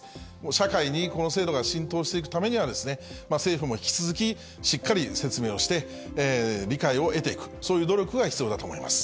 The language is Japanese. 社会にこの制度が浸透していくためには、政府も引き続きしっかり説明をして、理解を得ていく、そういう努力が必要だと思います。